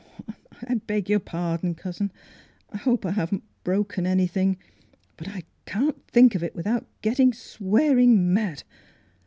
" I beg your pardon, cousin ! Hope I haven't broken anything. But I can't think of it without getting swearing mad